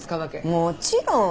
もちろん。